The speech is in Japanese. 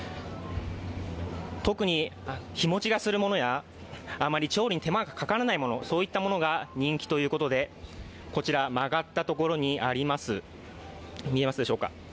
特に日もちがするものや、あまり調理に手間がかからないものそういったものが人気ということで、こちら、曲がったところにあります